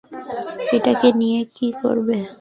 এটাকে নিয়ে কী করবে?